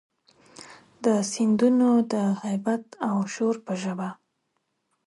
د سیندونو د هیبت او شور په ژبه،